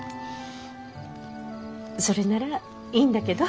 それならいいんだけど。